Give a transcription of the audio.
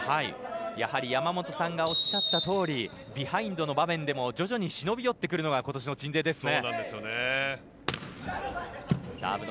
やはり、山本さんがおっしゃったとおりビハインドの場面でも徐々にしのび寄ってくるのが今年の鎮西ですね。